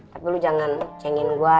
tapi lu jangan cengkin gua